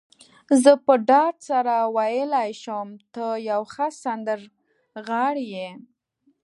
زه په ډاډ سره ویلای شم، ته یو ښه سندرغاړی يې.